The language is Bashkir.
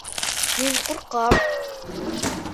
Мин ҡурҡам.